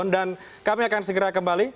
dan kami akan segera kembali